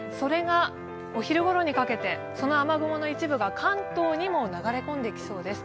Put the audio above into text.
お昼ごろにかけて、その雨雲の一部が関東にも流れ込んできそうです。